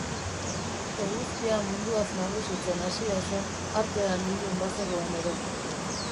Eguzkia munduaz nagusitzen hasia zen, artean ilun bazegoen ere.